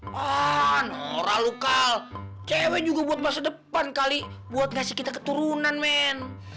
man nolah lo kal cewek juga buat masa depan kali buat ngasih kita keturunan men